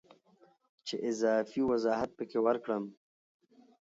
چې اضافي وضاحت پکې ورکړم